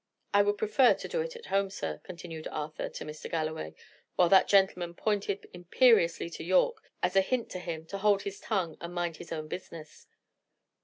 "I would prefer to do it at home, sir," continued Arthur to Mr. Galloway, while that gentleman pointed imperiously to Yorke, as a hint to him to hold his tongue and mind his own business.